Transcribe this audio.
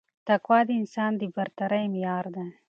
تقوا د انسان د برترۍ معیار دی